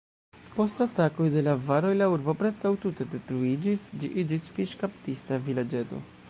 Post atakoj de la avaroj, la urbo preskaŭ tute detruiĝis, ĝi iĝis fiŝkaptista vilaĝeto.